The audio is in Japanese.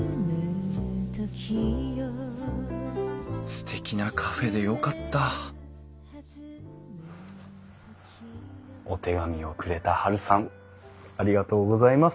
すてきなカフェでよかったお手紙をくれたはるさんありがとうございます。